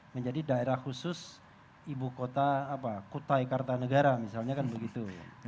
menjadi daerah khusus ibu kota kutai kartanegara misalnya kan begitu